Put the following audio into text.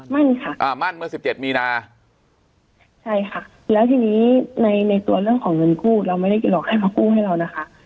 ไม่ค่ะอ่ามั่นเมื่อสิบเจ็ดมีนาใช่ค่ะแล้วทีนี้ในในตัวเรื่องของเงินกู้เราไม่ได้หรอกให้มากู้ให้เรานะคะ